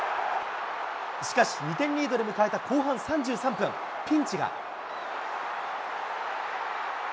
しかし、２点リードで迎えた後半３３分、ピンチが。